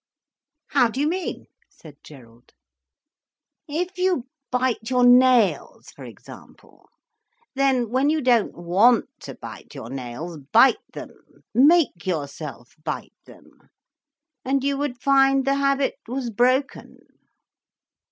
"How do you mean?" said Gerald. "If you bite your nails, for example. Then, when you don't want to bite your nails, bite them, make yourself bite them. And you would find the habit was broken."